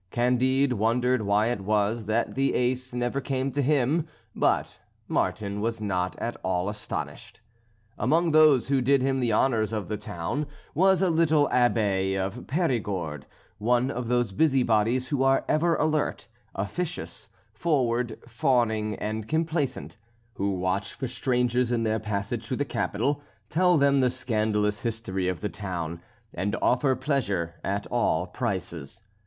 Candide wondered why it was that the ace never came to him; but Martin was not at all astonished. Among those who did him the honours of the town was a little Abbé of Perigord, one of those busybodies who are ever alert, officious, forward, fawning, and complaisant; who watch for strangers in their passage through the capital, tell them the scandalous history of the town, and offer them pleasure at all prices.